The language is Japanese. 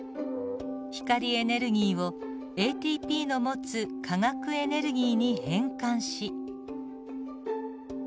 光エネルギーをＡＴＰの持つ化学エネルギーに変換し。